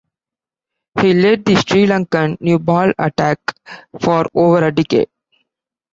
He led the Sri Lankan new ball attack for over a decade.